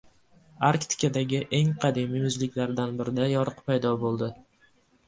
Arktikadagi eng qadimiy muzliklardan birida yoriq paydo bo‘ldi